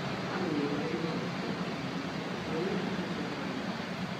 Di lui non si conoscono con certezza origini e data di nascita.